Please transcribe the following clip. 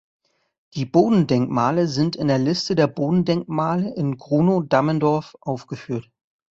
Die Bodendenkmale sind in der Liste der Bodendenkmale in Grunow-Dammendorf aufgeführt.